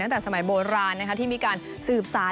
ตั้งแต่สมัยโบราณที่มีการสืบสาร